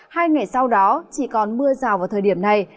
hai ngày sau đó chỉ còn mưa rào vào thời điểm này